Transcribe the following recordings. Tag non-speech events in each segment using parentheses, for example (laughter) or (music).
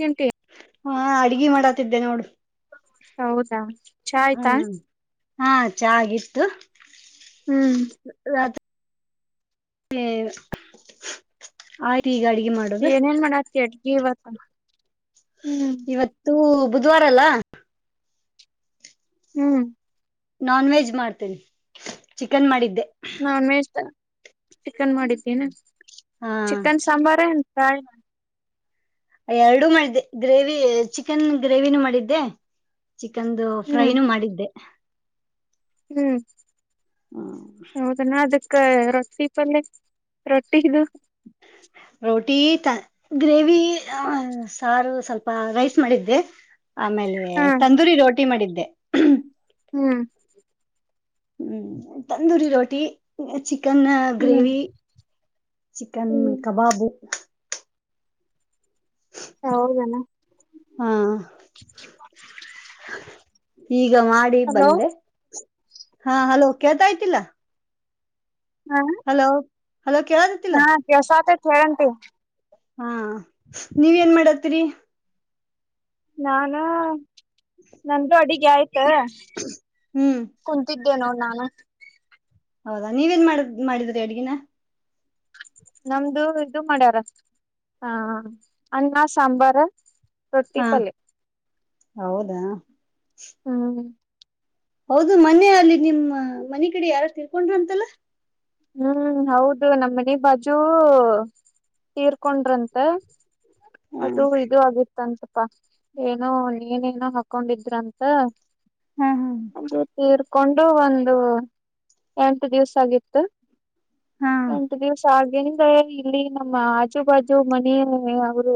ತಿಂಟಿ ಹಾ ಅಡ್ಗಿ ಮಾಡಾತಿದ್ದೆ ನೋಡು. ಹೌದಾ. ಚಾ ಆಯ್ತಾ. ಹ್ಮ್ ಹಾ ಚಾಗಿ ಇತ್ತು. ಹ್ಮ್. ಹ್ಮ ಆಯ ಈ ಗಾಡಿ. ಏನೇನ್ ಮಾಡತಿ ಅಡ್ಗೆಿ ಇವತ್ತ ಹ್ಮ್. ಬುಧವಾರಲ್ಲ. ಹ್ಮ್. ನಾನ್ ವೆಜ್ ಮಾಡ್ತೇನೆಿ ಚಿಕನ್ ಮಾಡಿದ್ದೆ. ನಾನ್ ವೆಜ್ ಚಿಕನ್ ಮಾಡಿದ್ದೀನ ಹಾ ಚಿಕನ್ ಸಾಂಬಾರ. ಕಾಯ. ಎರಡುೂ ಮಾಡಿದ್ದೆ ಗ್ರೇವಿ ಚಿಕನ್ ಗ್ರೇವಿನೂ ಮಾಡಿದ್ದೆ. ಚಿಕನ್ದು ಹ್ಮ್ ಫ್ರೈನುೂ ಮಾಡಿದ್ದೆ. ಹ್ಮ್. ಹ್ಮ. ಹೌದನ ಅದಕ್ಕ ರೊಟ್ಟಿ ಪಲ್ಲೆ ರೊಟ್ಟಿದು. ರೋಟಿ ಗ್ರೇವಿ ಸಾರು ಸ್ವಲ್ಪ ರೈಸ್ ಮಾಡಿದ್ದೆ. ಆಮೇಲೆ ಹಾ ತಂದೂರಿ ರೋಟಿ ಮಾಡಿದ್ದೆ. ಹ್ಮ್. ಹ್ಮ್ ತಂದೂರಿ ರೋಟಿ ಚ. ಚಿಕನ್ ಹ್ಮ್ ಗ್ರೇವಿ. ಚಿಕನ್ ಹ್ಮ್ ಕಬಾಬು. ಹೌದ ಯೆನು. ಹಾ ಈಗ ಮಾಡಿ ಹಲೋ ಬಂದೆ ಹಾ ಹಲೋ ಕೇಳ್ತಾಯ್ತಿಲ್ಲ. ಹಾ ಹಲೋ. ಹಲೋ ಕ್ದತಿಲ. ಕ್ಯಾರಂಟಿ. ಹಾ ನೀವೇನ್ ಮಾಡತ್ತೀರಿ. ನಾನು. ನಂದುು ಅಡಿಗೆ ಆಯ್ತ ಹ್ಮ್ ಕುಂತಿದ್ದ. ಅೇ ನೋಡ್ ನಾನು. ಹೌದಾ ನೀವೇನ್ ಮಾಡ ಮಾಡಿದ್ರರಿ ಅಡ್ಗಿನ. ನಮ್ದು ಇದು ಮಾಡ್ಯಾರ ಹ ಅನ್ನ ಸಾಂಬಾರ್. ಹಾ ನೊಟ್ಟಿಪಲೆ. ಹೌದಾ. ಹ್ಮ್. ಹೌದು ಮನೆ ಅಲ್ಲಿ ನಿಮ್ಮ ಮನೆ ಕಡೆ ಯಾರ ತಿರ್ಕೊಂಡ್ರಂತಲ್ಲ. ಹ್ಮ್ ಹೌದು ನಮ್ಮ ಮನೆ ಬಾಜು ತರ್ (unintelligible) ಕಕೊಂಡ್ರಂತೆ ಹ್ಮ್ ಅದು ಇದು ಆಗಿತ್ತ ಅಂತ ಪ್ಪಾ ಏನೋ ನೀನೇನೋ ಹಾಕೊಂಡಿದ್ರಂತ ಹಾ ಹಾ ಅ ತೀರ್ಥ (unintelligible) ಹಕೊಂಡು ಒಂದು ಎಂಟ ದಿವ್ಸ ಆಗಿತ್ತು. ಹ. ಹಾ ಎಂಟ ದಿವಸ ಆಗ. ಅೆ ಇಲ್ಲಿ ನಮ್ಮ ಆಚು ಬಾಜು ಮನ ಅವರು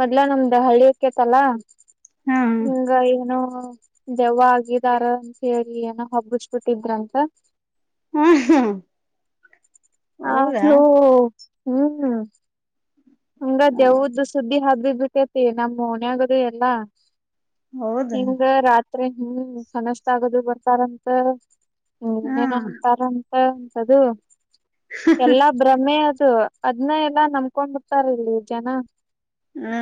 ಮೊದ್ಲ ನಮ್ದ ಹಳ್ಳಿಯಕೇತಲ್ಲ. ಹಾ ಹಂಗ ಏನೋ. ದೆವ್ ಆಗಿದಾರ ಸೇರಿ ಏನ ಹೊಗ್ಬಿಸಬಿಟ್ಟಿದ್ರಂತ. ಹಾ ಹೌದಾ ಹದು (unintelligible) ಹ್ಮ್ ಹಂಗ ಹಾ, ದೇವುದ ಸುದ್ದಿ ಹಾಗ ಕೇತಿ ನಮ್ ಮನ ಆಗದು ಎಲ್ಲಾ ಹೌದಾ ನಿಮ್ಗ ರಾತ್ರಿ ಹ್ಮ್ ಕನಷ್ಟ ಆಗದು ಬರ್ತಾರಂತ ಹ್ಮ್ ಹಾ ನೀನು ಒಂತರ ಹಂತದು. ಎಲ್ಲಾ ಭ್ರಮೆ. ಅದ್ನ್ನ ಎಲ್ಲ ನಮಕೊಂಡ್ ತರ್ ಇಲ್ಲಿ ಜನ ಹಾ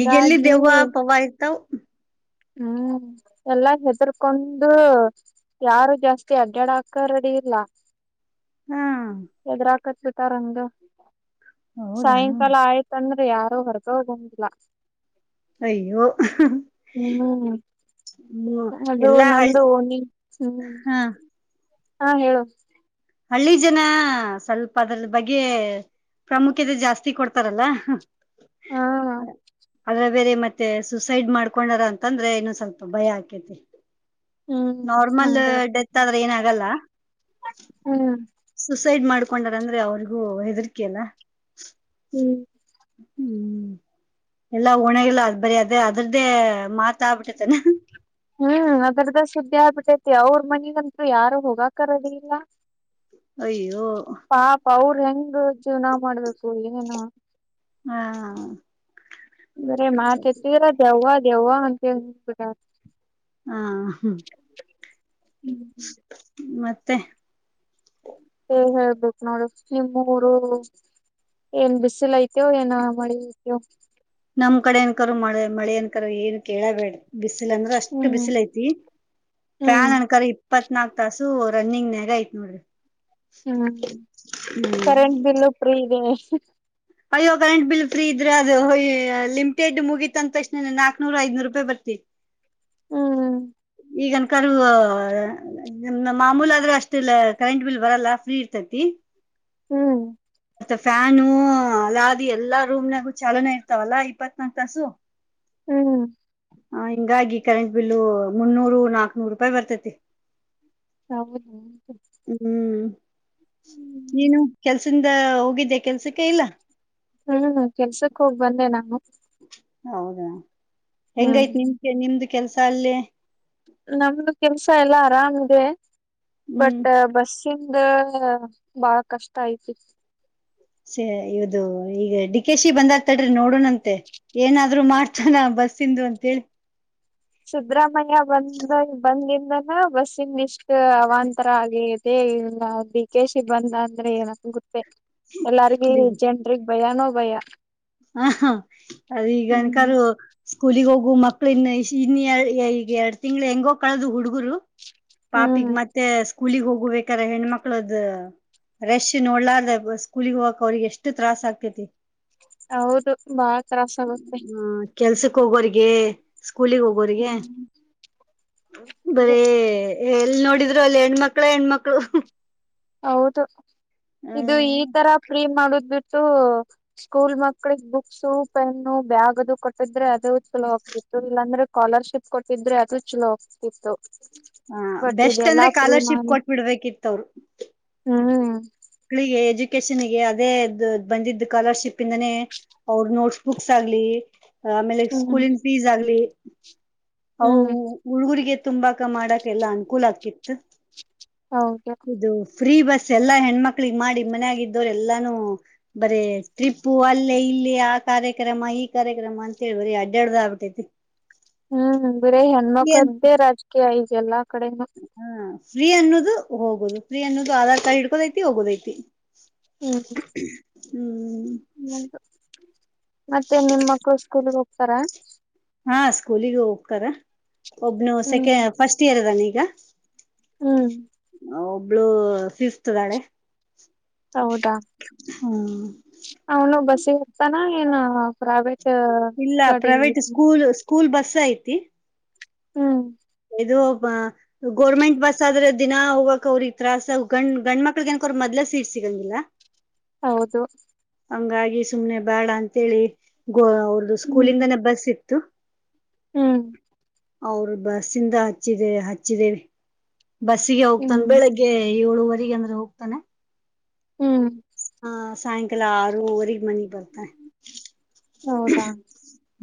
ಈಗೆಲ್ಲಿ ದೇವ್ ಪವ ಇತಾವ ಹ್ಮ್ ಎಲ್ಲಾ ಹೆದರ್ಕೊಂಡು ಯಾರು ಜಾಸ್ತಿ ಅಡ್ಡಡ ಹಾಕ ರೆಡಿ ಇಲ್ಲ ಹಾ ಎದರಾಕತ್ಟ್ಟ ತರಂಗ ಹೌದ ತಂದ್ರೆ ಯಾರೋ ಹೊರ್ಗ ಹೋಗಂಗಿಲ್ಲ ಅಯ್ಯೋ (unintelligible) ಹ ಹ್ಮ್ ಹ್ಮ್ ಅದು ಎಲ್ಲಾ ಹಳ್ಳಿ ನಮ್ದು ನೀ ಹ್ಮ್ ಹಾ (unintelligible) ಹಾ ಹೇಳು ಹಳ್ಳಿ ಜನ ಸ್ವಲ್ಪ ಅದ್ರ ಬಗ್ಗೆ ಪ್ರಾಮುಖ್ಯತೆ ಜಾಸ್ತಿ ಕೊಡ್ತಾರಲ್ಲ ಹಾ ಅದ (unintelligible) ಅ್ರ ಬೇರೆ ಮತ್ತೆ ಸೂಸೈಡ್ ಮಾಡ್ಕೊಂಡಾರ ಅಂತಂದ್ರೆ ಇನ್ನು ಸ್ವಲ್ಪ ಭಯ ಆಕೇತಿ ಹ್ಮ್ ನಾರ್ಮಲ್ ಹಂಗ ಡೆತ್ ಆದ್ರೆ ಏನ ಆಗಲ್ಲ (unintelligible) ಹ್ಮ್ ಸುಸೈಡ್ ಮಾಡ್ಕೊಂಡಾರ ಅಂದ್ರೆ ಅವ್ರಿಗೂ ಹೆದರಿಕೆಲ್ಲ ಹ್ಮ್. ಎಲ್ಲಾ ಒಣಗಿಲ್ಲ ಅದ್ ಬರಿ ಅದೇ ಅದ್ರ್ದೇ ಮಾತ ಆಬಿಟ್ಟತ್ತನಾ. ಹ್ಮ್ ಅದ್ರದ ಸುದ್ದಿ ಆಗ್ಬಿಟ್ಟೈತಿ ಅವ್ರ ಮನಗಂತೂ ಯಾರು ಹೋಗಾಕ ರೆಡಿ ಇಲ್ಲ. ಅಯ್ಯೋ ಹೆಂಗ್ ಜೀವನ ಮಾಡಬೇಕು ಏನೇನು ಹಾ ಇದ್ರೆ ಸರಿ ಮಾರ್ತ್ತಿದರ ದೇವಾ (unintelligible) ದೆವ್ವ ಅಂತ ಹೇಳ ಕೂಡ (unintelligible) ಹಾ ಮತ್ತೆ ತ್ತೆ ಏ ಹೇಳ್ಬೇಕು ನೋಡು ನಿಮ್ಮೂರು ಏನ್ ಬಿಸಲೈ ಕಿವ ಏನ ಮಾಡಿ. ನಮ್ ಕಡೆ ಏನ್ಕರ ಮಳೆ ಮಳೆ ಅನ್ಕರ ಏನ್ ಕೇಳಬೇಡ ಬಿಸ್ ಬ ಅಂದ್ರ ಅಸ್ಟ ಹ್ಮ್ ಬಿಸಲ ಐತಿ ಅ ಹ್ಮ್ ಪಾನ್ ಅಂಕರ ಇಪ್ಪನಾಲ್ಕ ತಾಸು ರನ್ನಿಂಗ್ ನೇಗ ಐತಿ ನೋಡ್ರಿ. ಹ್ಮ್ ಹ್ಮ್ ಕರೆಂಟ್ ಬಿಲ್ ಪ್ರೀ ಇದೇ. (inaudible) ಅಯ್ಯೋ ಕರೆಂಟ್ ಬಿಲ್ ಫ್ರೀ ಇದ್ರೆ ಅದು ಲಿಮಿಟೆಡ್ ಮುಗೀತ ಅಂತಕ್ಷ ನ ನಾಕ್ನೂರು ಐದನೂರ ರೂಪಾಯಿ ಬರ್ತಿ. ಹ್ಮ್ ಈಗನಕರು ನಮ್ ಮಾಮೂಲ ಆದ್ರ ಅಷ್ಟಲ್ಲ ಕರೆಂಟ್ ಬಿಲ್ ಬರಲ್ಲ ಫ್ರೀ ಇರ್ತೈತಿ. ಹ್ಮ್. ಮತ್ತೆ ಫಾನ ಅಲ್ಲಾದಿ ಎಲ್ಲಾ ರೂಮ್ನಾಗು ಚಾಲೋನ ಇರ್ತಾವಲ್ಲಾ ಇಪ್ಪತ್ ನಕ ತಾಸು. ಹ್ಮ್. ಹ ಹಿಂಗಾಗಿ ಕರೆಂಟ್ ಬಿಲ್ಲು ಮುನ್ನೂರು ನಾಕ್ನೂರು ರೂಪಾಯಿ ಬರ್ತತಿ. ಹೌದು ಹ್ಮ್ ನೀನು ಕೆಲ್ಸಿಂದ ಹೋಗಿದ್ದೆ ಕೆಲ್ಸಕ್ಕೆ ಇಲ್ಲ. ಹ್ಮ್ ಕೆಲ್ಸಕ್ ಹೋಗ್ ಬಂದೆ ನಾನು ಹೌದಾ. ಹ್ಮ್ ಹೆಂಗೈತ್ ನಿಮ ನಿಮ್ದ ಕೆಲಸ ಅಲ್ಲಿ. ನಮ್ದ ಕೆಲ್ಸ ಎಲ್ಲಾ ಆರಾಮ್ ಇದೆ. ಹ್ಮ್ ಬಟ್ ಬಸ್ ಕಿಂದ ಬಾಳ ಕಷ್ಟ ಐತಿ. ಸ ಇವದು ಈಗ ಡಿಕೆಶಿ ಬಂದಾನ ತಡ್ರಿ ನೋಡಣಂತೆ ಏನಾದ್ರು ಮಾಡ್ತಾನ ಬಸ್ ಇಂದು ಅಂತೇಳಿ. ಸುದ್ರ. ಮಯ ಬಂದ ಬಂದ ಬಸ್ಸನ್ ಇಷ್ಟ ಅವಾಂತರ ಆಗಿ ಅೇ ಇಲ್ಲ ಡಿಕ ಸಿಿ ಬಂದ ಅಂದ್ರೆ ಏನಂತ ಗೊತ್ತೇ ಎಲ್ಲಾರಗ ಜನ್ರಿಗೆಗ್ ಭಯಾನೋ ಭಯ. ಹ ಅದ ಹ್ಮ್ ಈಗನಕರು. ಸ್ಕೂಲಿಗ್ ಹೋಗು ಮಕ್ಳ ಇನ್ ಇನ್ ಈಗ ಎರಡ್ ತಿಂಗಳ ಹೆಂಗೋ ಕಳದು ಹುಡ್ಗರು. ಪಾಪಿಗ ಹ್ಮ್ ಮತ್ತೆ ಸ್ಕೂಲಗ್ ಹೋಗಬೇಕ್ರ ಹೆಣ್ಮಕ್ಳ ದ್ ರೆಶ್ ನೋಡ್ಲಾರ್ದ ಸ್ಕೂಲಗ್ ಹೋಗಕ ಅವ್ರಿಗೆ ಎಷ್ಟ ತ್ರಾಸ್ ಆಕ್ಕೆತಿ. ಹೌದು ಬಹಳ ತ್ರಾಸ ಆಗತ್ತೆ. ಹೋಗೋರ್ರಿಗೆ ಕಕೂಲಿಿಗೆ ಹೋಗೋಿಗೆ ಹ್ಮ್ ಬರ ಎ ನೋ ನಿದ್ರು ಅಲ್ಲಿ ಹೆಣ ಮಕ್ಳ ಹೆಣ್ಮಕ್ಳು ಹೌದು ಇದು ಹ್ಮ ಈ ತರ ಪ್ರೇಮ್ ಮಾಡುದು ಬಿಿಟ್ಟು ಸ್ಕೂಲ್ ಮಕ್ಳಿಗೆ ಬುಕ್ಸು ಪೆನ್ನು ಬ್ಯಾಗ್ ಅದು ಕೊಟ್ಟಿದ್ರೆ ಅದು ಚಲೋ ಆಗ್ತಿತ್ತು ಇಲ್ಲಾಂದ್ರೆ ಕಕಾಲರ್ಶಿಪ್ ಕೊಟ್ಟಿದ್ರೆ ಅದು ಚಲೋ ಆಗ್ತಿತ್ತು ಹ ಬಟ್ ಬೆಸ್ಟ್ ಇದೆಲ್ಲಾ ಅಂದ್ರೆ ಫ್ರೀ ಕಕಾಲರ್ಶಿಪ್ ಕೊಟ್ ಬಿಿಡ್ಬೇಕಿತ್ತವರು ಹಾ ಮಕ್ಕಳಿಗೆ ಎಜುಕೇಶನ್ಗೆ ಅದೇ ಬಂದಿದ್ದ ಸ್ಕಾಲರ್ಶಿಪ್ ಇಂದಾನೇ ಅವ್ರ ನೋಟ್ಸ್ ಬುಕ್ಸ್ ಆಗ್ಲಿ ಆಮೇಲೆ ಹ್ಮ್ ಸ್ಕೂಲಿನ ಫೀಸ್ ಆಗ್ಲಿ ಹೌ ಹ್ಮ್ ಉಳ್ಗುರಿಗೆ ತುಂಬಾ ಕ ಮಾಡ ಎಲ್ಲಾ ಅನುಕೂಲ ಆಗ್ಕ್ಕಿತ್ತು ಹೌದು ಇದು ಫ್ರೀ ಬಸ್ ಎಲ್ಲಾ ಹೆಣ್ಮಕ್ಳಗ್ ಮಾಡಿ ಮನ್ ಆಾಗಿದ್ದವ್ರ ಎಲ್ಲಾನೂ ಬರೀ ಟ್ರಿಪ್ಪು ಅಲ್ಲೇ ಇಲ್ಲಿ ಆ ಕಾರ್ಯಕ್ರಮ ಈ ಕಾರ್ಯಕ್ರಮ ಅಂತೇಳಿ ಬರೀ ಅಡ್ಡಾಡ್ದ ಆಗ್ಬಿಟ್ಟೈತಿ ಹ್ಮ್ ಬರೇ ಹೆಣ್ಮಕ್ದ್ದೇ ರಾಜಕೀಯ ಆಯ್ತ ಎಲ್ಲ ಕಡೆ ಫ್ರೀ ಅನ್ನೋದು ಹೋಗೋದು ಫ್ರೀ ಅನ್ನೋದು ಆಧಾರ್ ಕಾರ್ಡ್ ಇಡ್ಕೋದೈಐತಿ ಹೋಗೋದೈತಿ ಹ್ಮ್ ಹ್ಮ್ ಹ್ಮ ಮತ್ತೆ ನಿಮ ಮಕ್ಕಳು ಸ್ಕೂಲ್ಿಗೆ ಹೋಗ್ತಾರ ಹಾ ಸ್ಕೂಲಿಗ ಹೋಗ್ತಾರ. ಒಬ್ನು ಹ್ಮ್ ಸೆಕೆಂಡ್ ಫಸ್ಟ್ ಇಯರ್ ಅದಾನ ಇಗ. ಹ್ಮ್ ಯ. ಹೌ ಒಬ್ಳು ಫಿಫ್ತ್ ಅದಾಳೆ ಹೌದಾ ಹ್ಮ್ ಅವನು ಬಸಿಗೆ ಹತ್ತಾನ. ಏನ್ ಪ್ರೈವೇ ಇಲ್ಲ ಪ್ರೈವೇಟ್ ಸ್ಕೂಲ್ ಸ್ಕೂಲ್ ಬಸ್ ಐತಿ ಹ್ಮ್ ಇದು ಗೋರ್ಮೆಂಟ್ ಬಸ್ ಆದ್ರೆ ದಿನಾ ಹೋಗಕ್ ಅವ್ರಿಗೆ ತತ್ರಾಸ ಗಂಡ್ ಗಂಡ ಮಕ್ಳಗೆ ನಕ ಅವ್ರ ಮೊದ್ ಸೀಟ್ ಸಿಗಂಗಿಲ್ಲ ಹೌದು ಹಂಗಾಗಿ ಸುಮ್ನೆ ಬೇಡ ಅಂತೇಳಿ. ಅವ್ರದದು ಹ್ಮ್ ಸ್ಕೂಲಿಂದ ನೆ ಬಬ ಸಿ. ತ್ತು. ಹ್ಮ್ ಅವ್ರ್ ಬ ಬಸಿಂದ ಹಚ್ಚಿದೆ ಹಚ್ಚಿದೇವೆ. ಬಸ್ಸಿಗೆ ಹೋಗ್ತಾನ್ ಹ್ಮ್ ಬೆಳಗ್ಗೆ. ಏಳುವರೆಗೆ ಅಂದ್ರೆ ಹೋಗ್ತಾನೆ. ಹ್ಮ್ ಹ ಸಾಯಂಕಾಲ ಆರೂವರಿಗ್ ಮನಿಗ್ ಬರ್ತಾನ ಹೌದಾ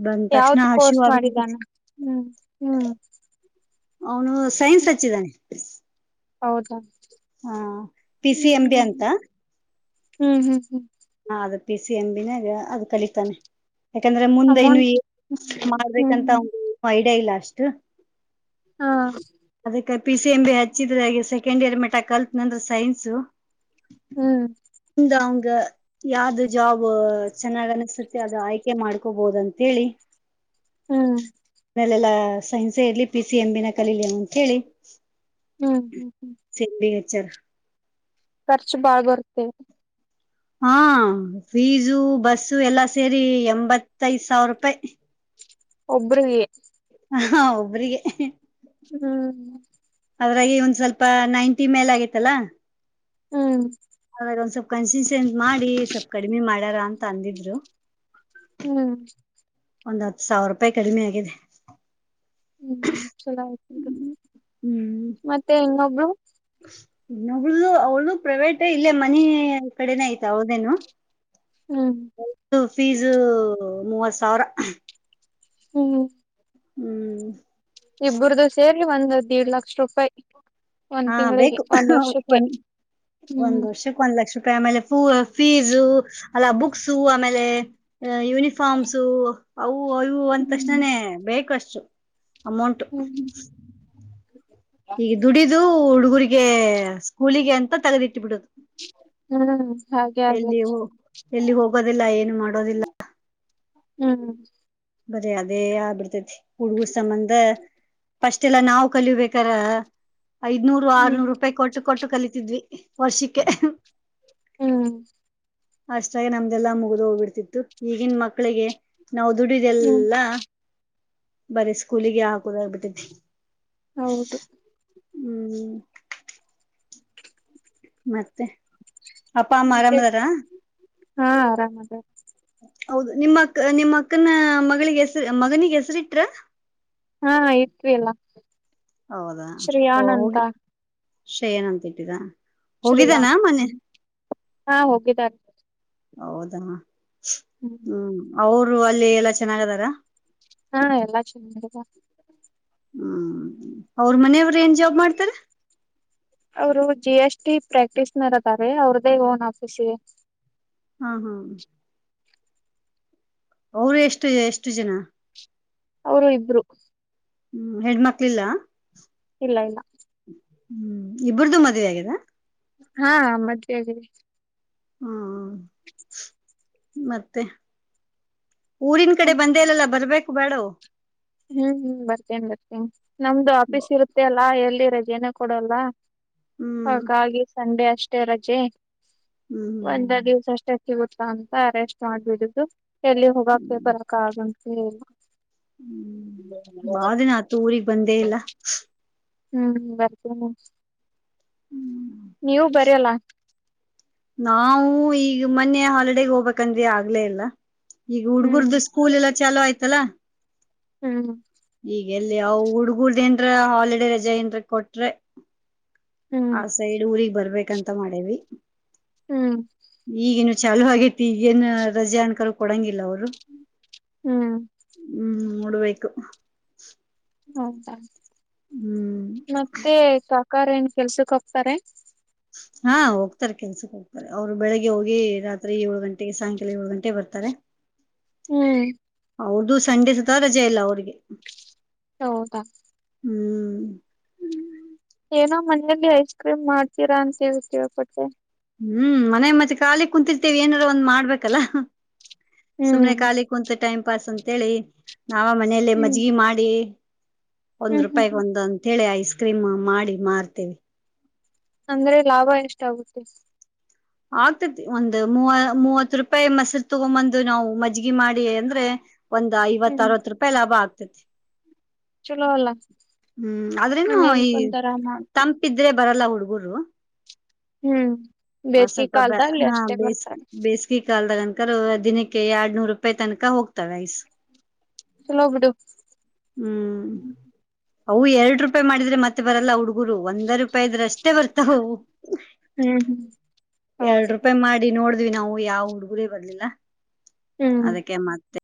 ಬಂದ ತಕ್ಷಣ ಯಾವ್ದ್ ಹಸು ಕೋರ್ಸ್ ಆಗ್ಬಿಟ್ಟತ ಮಾಡಿದಾನ ಹ್ಮ್ ಹ್ಮ್ ಅವನು ಸೈನ್ಸ್ ಹಚ್ಚಿದಾನೆ. (inaudible) ಹೌದಾ ಹಾ ಪಿ ಸಿ ಎಂ ಬಿ ಹ್ಮ್ ಅಂತ. ಹ್ಮ್ ಹ್ಮ್ ಹ್ಮ್ ಹಾ ಅದು ಪಿ ಸಿ ಎಂ ಬಿನಾಗ ಅದು ಕಲಿತಾನೆ. ಯಾಕಂದ್ರ ಮುಂದ ಇನ್ನು ಅಮೌಂಟ್ ಏನು ಹ್ಮ್ ಹ್ಮ್ ಮಾಡ್ಬೇಕಂತ ಒಂದು (unintelligible) ಡೈ ಲಾಸ್ಟ್. ಹಾ ಅದ ಪಿ ಸಿ ಎಂ ಬಿ ಹಚ್ಚಿದ್ರೆ ಸೆಕೆಂಡ್ ಇಯರ್ ಮಟ್ಟ ಕಲ್ತ್ ನಂದ್ರ ಸೈನ್ಸು ಹ್ಮ್ ಹಂಗ್ ಅಂಗ ಯಾವ್ದು ಜಾಬ್ ಚೆನ್ನಾಗ್ ಅನ್ಸುತ್ತೆ ಅದು ಆಯ್ಕೆ ಮಾಡ್ ಕೊಬೋದಂತೆಳಿ ಹ್ಮ್ ಲ್ಲಾ ಸೈನ್ಸೇ ಇರ್ಲಿ ಪಿ ಸಿ ಎಂ ಬಿ ನೆ ಕಲೀಲಿ ಅಂತ ಹೇಳಿ ಹ್ಮ್ ಹ್ಮ್ ಹ್ಮ್ ಹಚ್ಯಾರ. ಖರ್ಚು ಬಾಳ್ ಬರುತ್ತೆ ಹಾ ಫೀಸು ಬಸ್ಸು ಎಲ್ಲಾ ಸೇರಿ ಎಂಬತ್ತ ಐದ್ ಸಾವಿರ ರೂಪಾಯಿ. ಒಬ್ರಿಗೆ ಹಾ ಒಬ್ರಿಗೆ ಹ್ಮ್ ಅದ್ರಾಗಿ ಒಂದ್ ಸ್ವಲ್ಪ ನೈಂಟಿ ಮೇಲ್ ಆಗತ್ತಲ್ಲಾ ಹ್ಮ್ ಾಗ ಒಂದ್ ಸ್ವಲ್ಪ ಕನ್ಸಿನ್ತ್ ಮಾಡಿ ಸ್ವಲ್ಪ್ ಕಡಿಮೆ ಮಾಡಾರ ಅಂತ ತಂದಿದ್ರು ಹ್ಮ್ ಒಂದ್ ಹತ್ತು ಸಾವಿರ ರೂಪಾಯಿ ಕಡಿಮೆ ಆಗಿದೆ. ಹ್ಮ್ ಚಲೋ ಆಯ್ತು ಬಿಡು. ಹ್ಮ್ ಮತ್ತೆ ಇನ್ನೊಬ್ಳು ಇನ್ನೊಬ್ಳುದು ಅವ್ಳ್ದು ಪ್ರೈವೇಟೆ ಇಲ್ಲೇ ಮನಿ ಕಡೆನ ಆಯ್ತ ಅವಳ್ದೇನು. ಹ್ಮ್ ಫೀಸ್ ಮೂವತ್ ಸಾವಿರ. ಹ್ಮ್ ಹ್ಮ್ ಇಬರದು ಸೇರ್ ಒಂದ್ ಹದ್ ಏಡ್ ಲಕ್ಷ ರೂಪಾಯಿ ಒಂದ್ ಹಾ ತಿಂಗಳಿಗೆ ಬೇಕು ಒಂದ್ ಒ ವರ್ಷಕ್ಕೆ ಹ್ಮ್ ಒಂದ್ ವರ್ಷಕ್ ಒಂದ್ ಲಕ್ಷ ಆಮೇಲೆ ಫೀಸು ಅಲ್ಲ ಬುಕ್ಸು ಆಮೇಲೆ ಯೂನಿಫಾರ್ಮ್ಸು ಅವು ಅವು ಹ್ಮ್ ಅಂತಕ್ಷಣನನೆ ಬೇಕ ಅಷ್ಟೇ ು ಅಮೌಂಟ್ ಹ್ಮ್ ಈಗ ದುಡಿದು ಹುಡುಗುರಿಗೆ ಸ್ಕೂಲಿಗೆ ಅಂತ ತಗದಿಟ್ಟು ಬಿಡುದು ಹ್ಮ್ ಹಾಗೆ ಹಾಗೆ ಎಲ್ಲಿ ಎಲ್ಲಿ ಹೋಗೋದಿಲ್ಲ ಏನು ಮಾಡೋದಿಲ್ಲ ಹ್ಮ್ ಬರ ಅದೇ ಆಗ್ ಬಿಡ್ತತಿ ಹುಡುಗರ್ ಸಂಬಂಧ ಪಫಸ್ಟ್ ಎಲ್ಲಾ ನಾವವು ಕಲಿಬೇಕಾರ ಐದ್ನೂರು ಹ್ಮ್ ಆರ್ನೂರು ರೂಪಾಯಿ ಕೊಟ್ಟು ಕೊಟ್ಟು ಕಲಿತಿದ್ವಿ ವರ್ಷಿಕ ಹ್ಮ ಅಷ್ಟಾಗಿೆ ನಮ್ದೆಲ್ಲಾ ಮುಗ್ದು ಹೋಗ್ಬಿಡ್ತಿತ್ತು ಈಗನ್ ಮಕ್ಳಿಗೆ ನಾವು ಹ್ಮ್ ದುಡಿದೆಲ್ಲ ಬರೀ ಸ್ಕೂಲಿಗೆ ಹಾಕುದಾಗಬಿಟ್ಟಿದಿ ಹೌದು ಹ್ಮ್ ಮತ್ತೆ ಅಪ್ಪಾ ಅಮ್ಮ ಆರಾಮದಾರಾ ಹಾ ಆರಾಮ ಅದ ಹೌದು ನಿಮ್ಮ ಅಕ್ಕ ನಿಮ್ಮ ಅಕ್ಕನ ಮಗಳಿಗೆ ಹೆಸರಿ ಮಗನಿಗ ಹೆಸರಿಟ್ರ. ಹಾ ಇತ್ವಿ ಅಲ್ಲ. ಹೌದಾ ಓ ಶ್ರೇಯಾನ್ ಅಂತ ಹೋಗಿ ಸೇನ ಅಂತಟ್ಟಿದಾ ಶ್ರೀಯಾಂ ಹ್ಮ ಹಾ ಹೋಗಿದಾಗಗ್ತದೆ ಹೌದಾ ಹ್ಮ್ ಅವರು ಅಲ್ಲಿ ಎಲ್ಲಾ ಚೆನ್ನಾಗದಾರ ಹಾ ಎಲ್ಲಾ ಚೆನ್ನಾಗ ಹ್ಮ್ ಅವ್ರ ಮನೆಯವ್ರ ಏನ್ ಜಾಬ್ ಮಾಡ್ತಾರ ಅವರು ಜಿ ಎಸ್ಟಿ ಪ್ರಾಕ್ಟೀಸ್ನರ್ ಅದಾರೆ ಅವ್ರದೇ ಓನ್ ಆಫೀಸಗೆ ಹಾ ಹಾ ಅವರು ಎಷ್ಟು ಎಷ್ಟು ಜನ ಅವರು ಇಬ್ರು ಹ್ಮ್ ಹೆಣ್ಮಕ್ಳಿಲ್ಲ. ಇಲ್ಲ ಇಲ್ಲ. ಹ್ಮ್ ಇಬ್ರ್ದ ಮದ್ವೆ ಆಗದ. ಹಾ ಮದ್ವೆ ಆಗಿದೆ. ಹಾ ಹ. ಮತ್ತೆ ಊರಿನ್ ಕಡೆ ಬಂದೇಇಲ್ಲ ಅಲ್ ಬರ್ಬೇಕ. ಬೇಡ. ಹ್ಮ್ ಹ್ಮ್ ಬರ್ತೇನಿ ಬರ್ತೇನ್ ನಮ್ದು ಆಫೀಸ್ ಇರುತ್ತೆ ಅಲ್ಲಾ ಎಲ್ಲಿ ಸರಿಯನ ಕೊಡಲ್ಲ. ಹ್ಮ್ ಹಾಗಆಗ ಸಂಡೆ ಅಷ್ಟ ರಜೆ ಹ್ಮ್ ಒಂದ ದಿವ್ಸ ಅಷ್ಟೇ ಗೊತ್ತಾ ಅಂತ ಅರೆಷ್ಟ ಮಾಡ್ಬಿಡು. ಎಲ್ಲಿ ಹೋಗಕ್ ಹ್ಮ್ ಬರಕ ಆಗ ಹ್ಮ್. ಹ್ಮ್ ಬಾದಿನ ಆತ ಊರೀಗ್ ಬಂದೇ ಇಲ್ಲ. ಹ್ಮ್ ಬರ್ತೀನಿ ನೀವು ಬರಲ್ಲ. ನಾವು ಈಗ ಮೊನ್ನೆ ಹಾಲಿಡಗ್ ಹೋಗ್ಬೇಕಂದ್ವಿ ಆಗ್ಲೇ ಇಲ್ಲ. ಈಗ ಹ್ಮ್ ಹುಡ್ಗುರ್ದ ಸ್ಕೂಲ್ ಎಲ್ಲಾ ಚಾಲು ಆಯ್ತಲ್ಲಾ. ಹ್ಮ್. ಈಗ ಎಲ್ಲಿ ಅವ ಹುಡ್ಗುರ್ದ ಏನ್ರೀ ಹಾಲಿಡೇ ರಜಾ ಏನ್ರ ಕೊಟ್ರೆ ಹ್ಮ್ ಹ ಸೈಡ್ ಊರಿಗ್ ಬರ್ಬೇ ಅಂತ ಮಾಡೇವಿ. ಹ್ಮ್ ಚಾಲು ಆಗೈತಿ ಏನ್ ರಜೆ ಅನ್ಕರು ಕೊಡಂಗಿಲ್ಲ ಅವರು. ಹ್ಮ್ ಹ್ಮ್ ನೋಡ್ಬೇಕು. ಹೌದ. ಹ್ಮ್ ಮತ್ತೆ ತಾ ಅಕ್ಕರ ಏನ್ ಕೆಲ್ಸಕ್ ಹೋಗ್ತಾರೆ. ಹಾ ಹೋಗ್ತಾರ ಕೆಲ್ಸಕ್ಕೆ ಹೋಗ್ತಾರೆ ಅವ್ರು ಬೆಳಿಗ್ಗೆ ಹೋಗಿ ರಾತ್ರಿ ಏಳು ಗಂಟೆಗೆ ಸಾಯಂಕಾಲ ಏಳು ಗಂಟೆಗೆ ಬರ್ತಾರೆ. ಹ್ಮ್. ಅವರ್ದು ಸಂಡೆ ಸತ ರಜೆ ಇಲ್ಲ ಅವ್ರಿಗೆ ಹೌದಾ. ಹ್ಮ್. ಏನೋ ಮನೆಯಲ್ಲಿ ಐಸ್ ಕ್ರೀಮ್ ಮಾಡ್ತೀರಾ ಅಂತ ಹೇಳ ಕೇಳ್ಪಟ್ಟೆ. ಹ್ಮ್ ಮನೆ ಮತ್ತೆ ಖಾಲಿ ಕುಂತರ್ತೇವಿ ಏನಾರ ಒಂದ್ ಮಾಡ್ಬೇಕಲ್ಲ. ಸುಮ್ನೆ ಹ್ಮ್ ಕಾಲಿ ಕುಂತ್ ಟೈಮ್. ಉಪಸ್ ಅಂತೇಳಿ ನಾವ ಮನೇಲ್ಲ ಹ್ಮ್ ಮಜ್ಗಿ ಮಾಡಿ. ಒಂದ್ ಹ್ಮ್ ಹ್ಮ್ ರೂಪಾಯಿಗ್ ಹ್ಮ್ ಒಂದ್ ಅಂತ ಹೇಳಿ ಐಸ್ ಕ್ರೀಮ್ ಮಾಡಿ ಮಾರ್ತೇವಿ. ಅಂದ್ರೆ ಲಾಭ ಎಷ್ಟಾಗುತ್ತೆ ಆಗ್ತೇತಿ ಒಂದು ಮೂವ ಮೂವತ್ತು ರೂಪಾಯಿ ಮೊಸರು ತಗೊಂಬಂದು ನಾವು ಮಜ್ ಗಿ ಮಾಡಿ ಅಂದ್ರೆ ಒಂದ್ ಐವತ್ತ ಹ್ಮ್ ಅರವತ್ತು ರೂಪಾಯಿ ಲಾಭ ಆಗ್ ತತಿ ಚಲೋ ಅಲ್ಲ ಹ್ಮ್ ಆದ್ರೇನು ಮನೇಲಿ ಈ ಕುಂತರ ಮಾಡ್ಕೊ ತಂಪಿದ್ರೆ ಬರಲ್ಲ ಹುಡುಗರು ಹ್ಮ್ ಹ ಬೇಸಿಗೆ ಸ್ವಲ್ಪ ಬ ಕಾಲದಲ್ಲಿ ಹಾ ಅಷ್ಟೇ ಬೇಸ್ ಬರ್ತಾರೆ ಬೇಸಿಗೆ ಕಾಲ್ದಾಗನ್ ದಿನಕ್ಕೆ ಎರಡ್ ನೂರು ರೂಪಾಯಿ ತನಕ ಹೋಗ್ತಾವ ಐಸ್. ಚಲೋ ಬಿಡು. ಹ್ಮ್ ಅವು ಎರಡು ರೂಪಾಯಿ ಮಾಡಿದ್ರೆ ಮತ್ತೆ ಬರಲ್ಲ ಹುಡುಗುರು ಒಂದ ರು ಪಾಯ್ ಇದ್ರೆ ಅಷ್ಟೇ ಬರ್ತಾವವು ಹ್ಮ್ ಹ್ಮ್ ಎರಡು ಹೌದು ರೂಪಾಯಿ ಮಾಡಿ ನೋಡ್ ದ್ವಿ ನಾವು ಯಾವ ಹುಡುಗರೇ ಬರ್ಲಿಲ್ಲ. ಹ್ಮ್. ಅದಕ್ಕೆ ಮತ್ತೆ